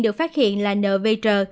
được phát hiện là nợ vây trờ